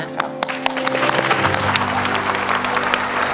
ครับ